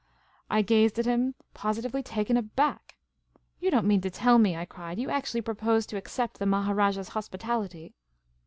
I gazed at him, positively taken aback. " You don't mean to tell me," I cried, " you actually propose to accept the Maharajah's hospitality